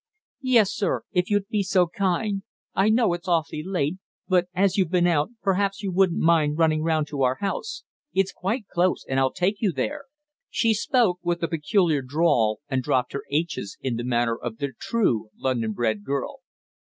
"Yes, sir, if you'd be so kind. I know its awfully late; but, as you've been out, perhaps you wouldn't mind running round to our house. It's quite close, and I'll take you there." She spoke with the peculiar drawl and dropped her "h's" in the manner of the true London bred girl.